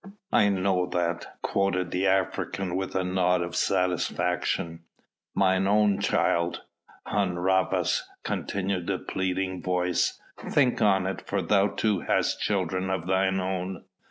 "I know that," quoth the African with a nod of satisfaction. "My own child, Hun Rhavas," continued the pleading voice; "think on it, for thou too hast children of thine own."